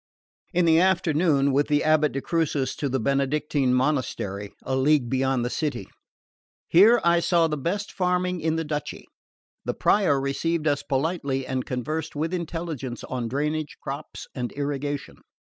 In the afternoon with the abate de Crucis to the Benedictine monastery, a league beyond the city. Here I saw the best farming in the duchy. The Prior received us politely and conversed with intelligence on drainage, crops and irrigation.